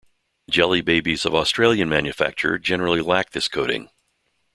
Jelly babies of Australian manufacture generally lack this coating.